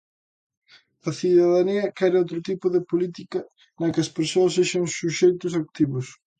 A cidadanía quere outro tipo de política na que as persoas sexan suxeitos activos.